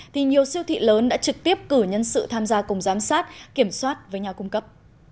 thì nhiều siêu thị lớn đã trực tiếp cử nhân sự tham gia cùng giám sát kiểm soát với nhà cung cấp